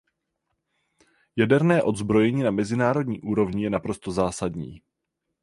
Jaderné odzbrojení na mezinárodní úrovni je naprosto zásadní.